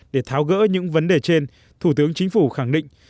để tháo gỡ những vấn đề trên thủ tướng chính phủ khẳng định